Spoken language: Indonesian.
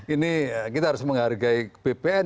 ini kita harus menghargai bpn